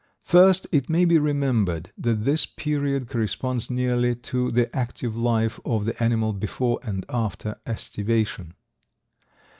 First, it may be remembered that this period corresponds nearly to the active life of the animal before and after estivation.